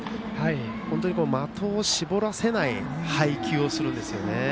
的を絞らせない配球をするんですよね。